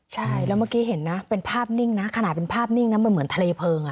ใช่มักถึงเห็นเป็นภาพนิ่งขนาดเป็นภาพนิ่งเหมือนทะเลเพลิง